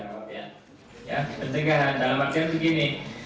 pentingnya adalah begini